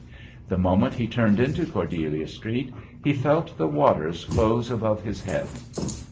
The moment he turned into Cordelia Street he felt the waters close above his head.